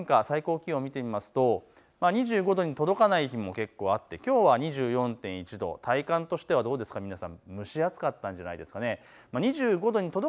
最高気温を見てみますと２５度に届かない日も結構あってきょうは２４．１度、体感としては蒸し暑かったんじゃないでしょうか。